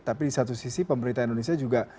tapi di satu sisi pemerintah indonesia juga